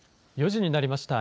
４時になりました。